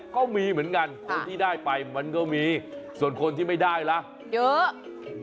ก็มีเหมือนกันคนที่ได้ไปมันก็มีส่วนคนที่ไม่ได้ล่ะเยอะ